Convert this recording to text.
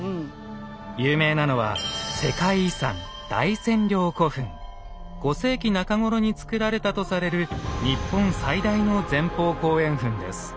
有名なのは５世紀中ごろに造られたとされる日本最大の前方後円墳です。